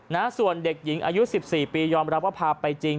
นะส่วนเด็กหญิงอายุ๑๔ปียอมรับว่าพาไปจริง